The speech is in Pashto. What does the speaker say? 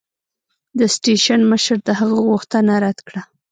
د سټېشن مشر د هغه غوښتنه رد کړه.